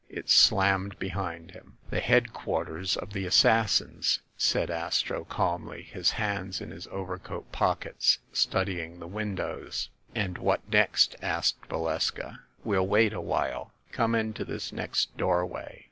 It slammed behind him. THE ASSASSINS' CLUB 255 "The headquarters of the Assassins," said Astro calmly, his hands in his overcoat pockets, studying the windows. "And what next?" asked Valeska. "We'll wait a while. Come into this next doorway."